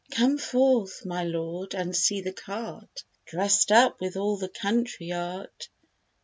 Come forth, my lord, and see the cart Drest up with all the country art.